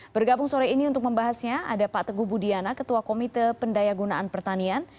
bergabung sore ini untuk membahasnya ada pak teguh budiana ketua komite pendaya gunaan pertanian